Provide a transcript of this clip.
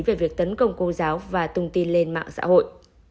về việc tấn công cô giáo và tung tin lên mạng xã hội